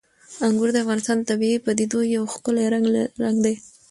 انګور د افغانستان د طبیعي پدیدو یو ښکلی رنګ دی.